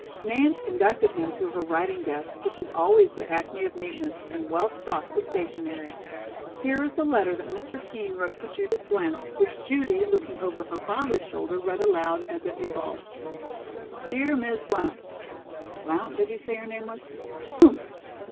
Nance conducted him to her writing desk, which was always the acme of neatness, and well stocked with stationery. Here is the letter that Mr. Kean wrote to Judith Blount, which Judy, looking over her father's shoulder, read aloud as it evolved: "'Dear Miss Blount:' (Blount, did you say her name was? Humph!)